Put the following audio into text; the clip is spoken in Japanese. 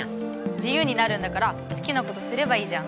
自ゆうになるんだからすきなことすればいいじゃん！